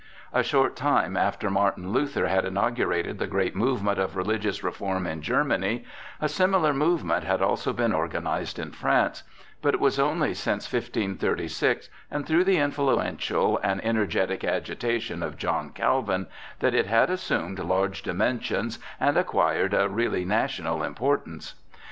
A short time after Martin Luther had inaugurated the great movement of religious reform in Germany, a similar movement had also been organized in France; but it was only since 1536 and through the influential and energetic agitation of John Calvin that it had assumed large dimensions and acquired a really national importance.